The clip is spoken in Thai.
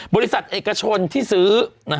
บริษัทเอกชนที่ซื้อ